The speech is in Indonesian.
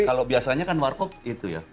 nah kalau biasanya kan wargok itu ya